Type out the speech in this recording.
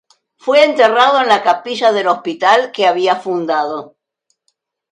Fue enterrado en la capilla del hospital que había fundado.